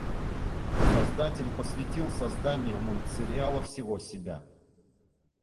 Создатель посвятил созданию мультсериала всего себя.